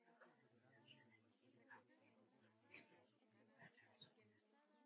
La casa fue saqueada y Astete tuvo que huir para salvar su vida.